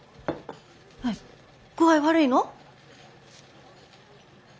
アイ具合悪いの？